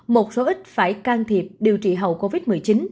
một số ít phải can thiệp điều trị hậu covid một mươi chín